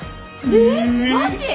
えっマジ！？